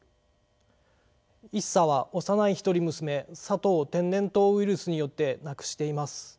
一茶は幼い一人娘さとを天然痘ウイルスによって亡くしています。